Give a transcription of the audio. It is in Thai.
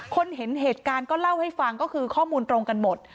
คนเห็นเหตุการณ์ก็เล่าให้ฟังก็คือข้อมูลตรงกันหมด